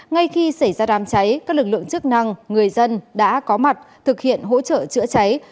ngay khi xảy ra đám cháy các lực lượng chức năng người dân đã có mặt thực hiện hỗ trợ chữa cháy